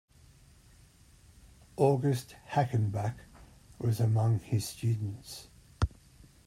August Hagenbach was among his students.